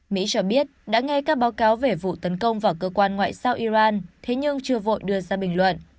mỹ cho biết đã nghe các báo cáo về vụ tấn công vào cơ quan ngoại giao iran thế nhưng chưa vội đưa ra bình luận